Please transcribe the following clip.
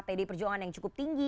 pd perjuangan yang cukup tinggi